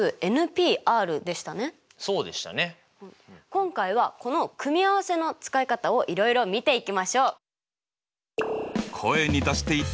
今回はこの組合せの使い方をいろいろ見ていきましょう。